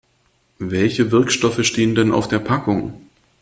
Welche Wirkstoffe stehen denn auf der Packung?